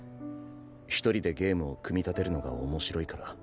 １人でゲームを組み立てるのが面白いから。